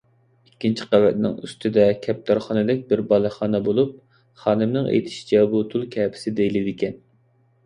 ئىككىنچى قەۋەتنىڭ ئۈستىدە كەپتەرخانىدەك بىر بالىخانا بولۇپ، خانىمنىڭ ئېيتىشىچە بۇ تۇل كەپىسى دېيىلىدىكەن.